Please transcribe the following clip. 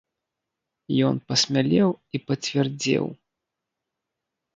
Ён пасмялеў і пацвярдзеў.